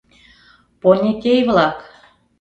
— Понетей-влак!